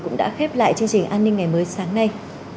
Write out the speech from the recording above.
cũng đã khép lại chương trình an ninh ngày mới sáng nay